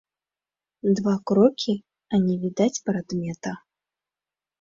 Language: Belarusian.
Два крокі, а не відаць прадмета.